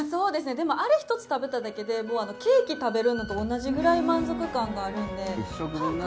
でも、あれ１つ食べただけでもうケーキ食べるのと同じぐらい満足感があるんで。